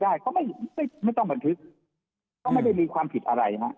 ได้ก็ไม่ไม่ต้องบันทึกก็ไม่ได้มีความผิดอะไรฮะ